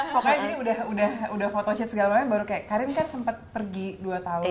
pokoknya jadi udah photoshot segala macam baru kayak karin kan sempet pergi dua tahun